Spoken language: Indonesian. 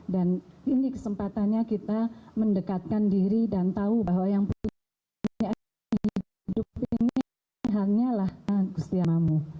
dan ini kesempatannya kita mendekatkan diri dan tahu bahwa yang penting di hidup ini hanyalah kustiamamu